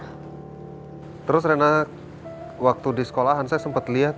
di sekolah itu enggak nantar rena terus rena waktu di sekolah itu enggak nantar rena terus rena waktu